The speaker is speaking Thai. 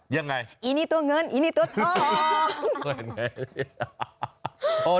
ยังไงอีนี่ตัวเงินอีนี่ตัวทอง